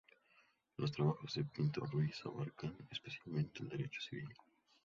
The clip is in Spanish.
Los trabajos de Pintó Ruiz abarcan especialmente el derecho civil.